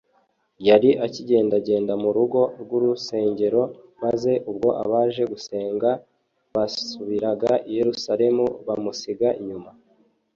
Yari akigendagenda mu rugo rw’urusengero; maze ubwo abaje gusenga basubiraga i Yerusalemu, bamusiga inyuma